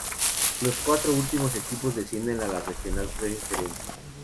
Los cuatro últimos equipos descienden a Regional Preferente.